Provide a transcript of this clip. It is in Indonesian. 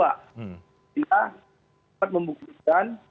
kita dapat membuktikan